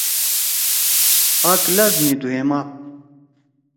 آکلاس می دُوئم آپ۔